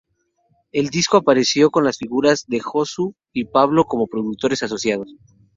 El disco apareció con las figuras de Josu y Pablo como productores asociados.